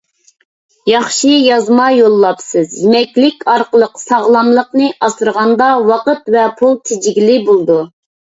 ياخشى يازما يوللاپسىز. يېمەكلىك ئارقىلىق ساغلاملىقنى ئاسرىغاندا ۋاقىت ۋە پۇل تېجىگىلى بولىدۇ.